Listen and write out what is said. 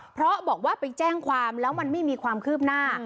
เพราะบอกว่าไปแจ้งความแล้วมันไม่มีความคืบหน้า